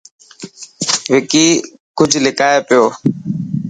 وڪي ڪجهه لڪائي پيو.